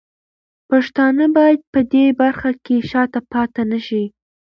پښتانه باید په دې برخه کې شاته پاتې نه شي.